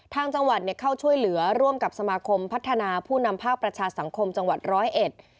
ทางจังหวัดเนี่ยเข้าช่วยเหลือร่วมกับสมาคมพัฒนาผู้นำภาคประชาสังคมจังหวัดร้อยเอ็ด